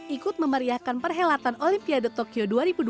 ikut memeriahkan perhelatan olimpiade tokyo dua ribu dua puluh